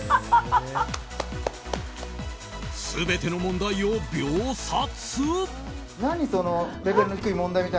全ての問題を秒殺。